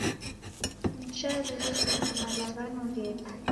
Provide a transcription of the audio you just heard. Nicharirikanya malaghano ghedu